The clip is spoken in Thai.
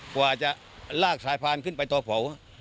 กว่าจะลากสายพานขึ้นไปตัวเผา